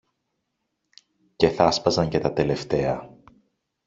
και θα 'σπαζαν και τα τελευταία